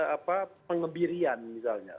apa pengebirian misalnya